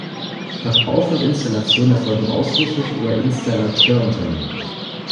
Verkauf und Installation erfolgen ausschliesslich über Installateur-Unternehmen.